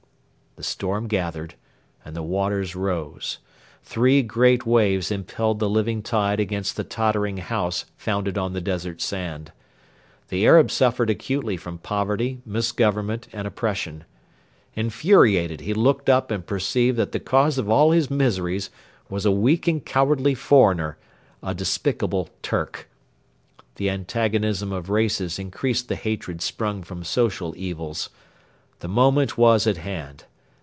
The storm gathered and the waters rose. Three great waves impelled the living tide against the tottering house founded on the desert sand. The Arab suffered acutely from poverty, misgovernment, and oppression. Infuriated, he looked up and perceived that the cause of all his miseries was a weak and cowardly foreigner, a despicable 'Turk.' The antagonism of races increased the hatred sprung from social evils. The moment was at hand.